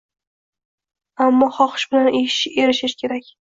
Ammo xohish bilan erishish kerak.